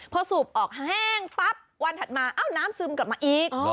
พอสูบออกแห้งปั๊บวันถัดมาเอ้าน้ำซึมกลับมาอีก